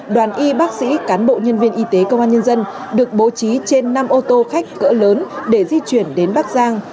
đoàn y bác sĩ cán bộ nhân viên y tế công an nhân dân được bố trí trên năm ô tô khách cỡ lớn để di chuyển đến bắc giang